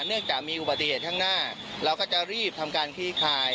เนื่องจากมีอุบัติเหตุข้างหน้าเราก็จะรีบทำการคลี่คลาย